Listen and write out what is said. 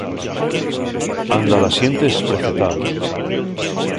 Anda la xente esprecetao.